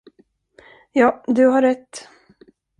Ja, du har rätt.